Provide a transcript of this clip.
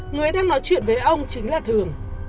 người đang nói chuyện với ông chính là thường